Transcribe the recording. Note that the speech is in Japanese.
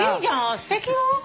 すてきよ。